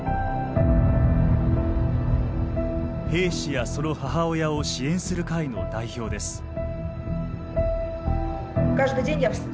兵士やその母親を支援する会の代表です。